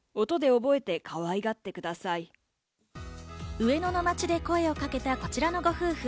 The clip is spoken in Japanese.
上野の街で声をかけたこちらのご夫婦。